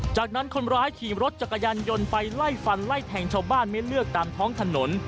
จากนั้นคนร้ายขี่รถจักรยานยนต์ไปไล่ฟันไล่แทงชาวบ้านไม่เลือกตามท้องถนน